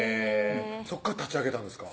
そこから立ち上げたんですか？